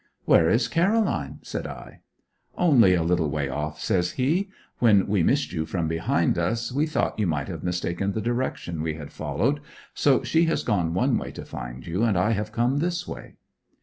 'Where is Caroline?' said I. 'Only a little way off,' says he. 'When we missed you from behind us we thought you might have mistaken the direction we had followed, so she has gone one way to find you and I have come this way.'